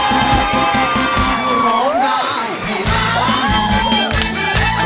คุณสอดพงษ์ร้องเพลงที่๑๐๐๐๐รับไปเลย๑ล้านบาท